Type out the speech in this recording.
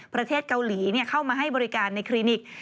ประเทศเกาหลีเข้ามาให้บริการในคลินิก